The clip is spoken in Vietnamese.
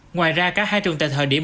ngoài ra cả hai trường tại thời điểm